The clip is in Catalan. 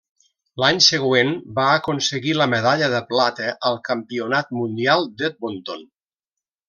L'any següent, va aconseguir la medalla de plata al Campionat Mundial d'Edmonton.